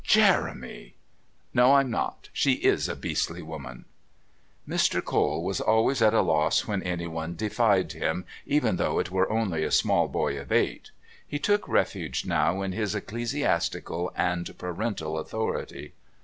"Jeremy!" "No, I'm not. She is a beastly woman." Mr. Cole was always at a loss when anyone defied him, even though it were only a small boy of eight. He took refuge now in his ecclesiastical and parental authority.